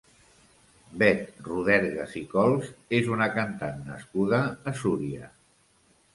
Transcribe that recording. Beth Rodergas i Cols és una cantant nascuda a Súria.